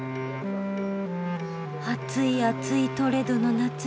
暑い暑いトレドの夏。